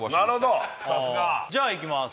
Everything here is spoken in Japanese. じゃあいきます